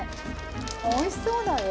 おいしそうだよ！